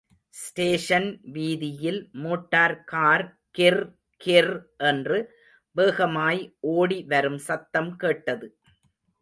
Station வீதியில் motor car கிர்... கிர் என்று வேகமாய் ஓடி வரும் சத்தம் கேட்டது.